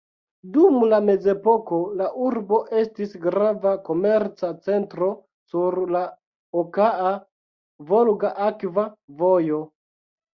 Dum la mezepoko la urbo estis grava komerca centro sur la Okaa-Volga akva vojo.